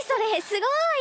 すごい。